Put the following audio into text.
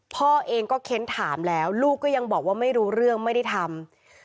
พ่อเองก็เค้นถามแล้วลูกก็ยังบอกว่าไม่รู้เรื่องไม่ได้ทำ